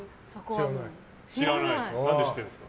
知らないです。